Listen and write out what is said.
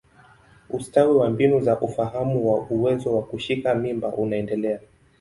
Ustawi wa mbinu za ufahamu wa uwezo wa kushika mimba unaendelea.